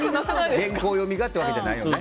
原稿読みがっていうわけじゃないよね。